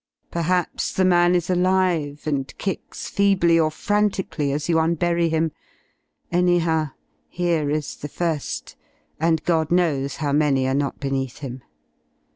* Perhaps the man is alive and kicks feebly or frantically as you unbury him: anyhow, here is the fir^, and God knows how many are not beneath him.